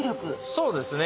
そうですね。